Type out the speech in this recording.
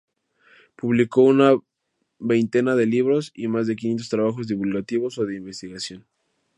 Publicó una veintena de libros y más de quinientos trabajos divulgativos o de investigación.